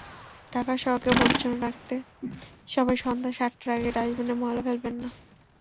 ঢাকা শহরকে পরিচ্ছন্ন রাখতে সবাই সন্ধ্যা সাতটার আগে ডাস্টবিনে ময়লা ফেলবেন না।